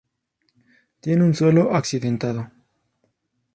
Tiene un suelo accidentado.